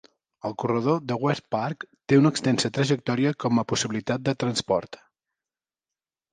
El corredor de Westpark té una extensa trajectòria com a possibilitat de transport.